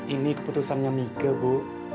ini keputusannya mige bu